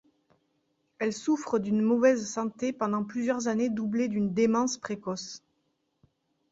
Elle souffre d'une mauvaise santé pendant plusieurs années doublée d'une démence précoce.